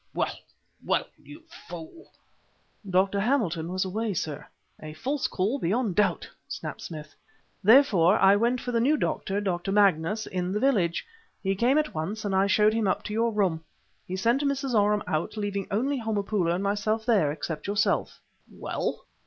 "Well, well, you fool!" "Dr. Hamilton was away, sir." "A false call beyond doubt!" snapped Smith. "Therefore I went for the new doctor, Dr. Magnus, in the village. He came at once and I showed him up to your room. He sent Mrs. Oram out, leaving only Homopoulo and myself there, except yourself." "Well?"